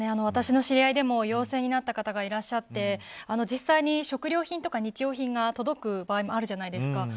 私の知り合いでも陽性になった方がいらっしゃって実際に食料品とか日用品が届く場合もあるじゃないですか。